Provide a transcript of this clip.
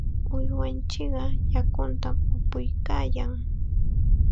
Uywanchikqa yakutam upuykaayan.